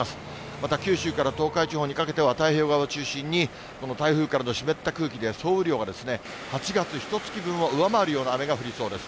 また、九州から東海地方にかけては、太平洋側を中心に、この台風からの湿った空気で総雨量が８月ひとつき分を上回るような雨が降りそうです。